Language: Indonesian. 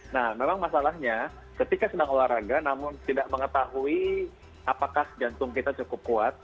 nah memang masalahnya ketika sedang olahraga namun tidak mengetahui apakah jantung kita cukup kuat